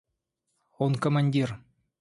– Он командир.